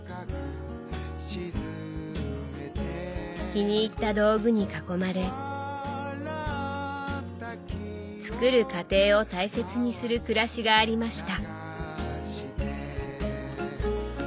気に入った道具に囲まれ作る過程を大切にする暮らしがありました。